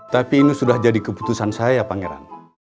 tapi ini sudah jadi keputusan saya pangeran